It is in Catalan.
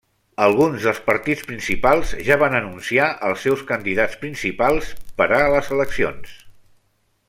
Alguns dels partits principals ja van anunciar els seus candidats principals per a les eleccions.